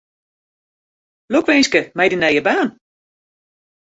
Lokwinske mei dyn nije baan.